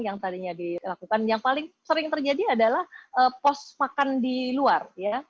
yang paling sering terjadi adalah pos makan di luar